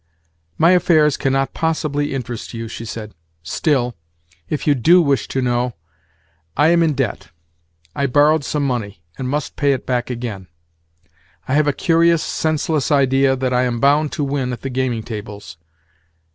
"My affairs cannot possibly interest you," she said. "Still, if you do wish to know, I am in debt. I borrowed some money, and must pay it back again. I have a curious, senseless idea that I am bound to win at the gaming tables.